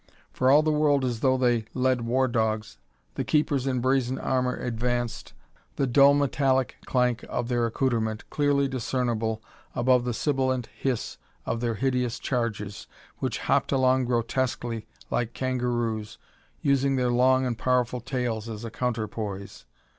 For all the world as though they led war dogs, the keepers in brazen armor advanced, the dull metallic clank of their accoutrement clearly discernible above the sibilant hiss of their hideous charges, which hopped along grotesquely like kangaroos, using their long and powerful tails as a counterpoise.